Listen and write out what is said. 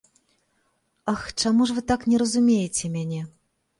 Ах, чаму ж вы так не разумееце мяне?